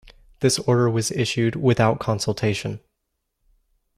This order was issued without consultation.